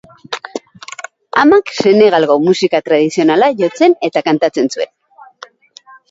Amak Senegalgo musika tradizionala jotzen eta kantatzen zuen.